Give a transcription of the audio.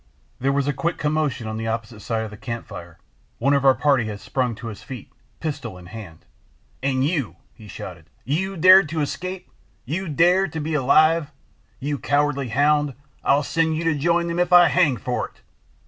There was a quick commotion on the opposite side of the campfire: one of our party had sprung to his feet, pistol in hand. "And you!" he shouted—"you dared to escape?—you dare to be alive? You cowardly hound, I'll send you to join them if I hang for it!"